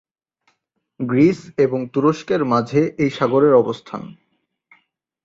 Greece এবং তুরস্কের মাঝে এই সাগরের অবস্থান।